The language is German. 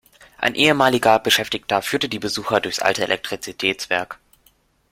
Ein ehemaliger Beschäftigter führt die Besucher durchs alte Elektrizitätswerk.